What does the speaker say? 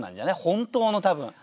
本当の多分。